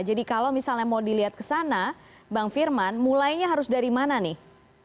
jadi kalau misalnya mau dilihat kesana bang firman mulainya harus dari mana nih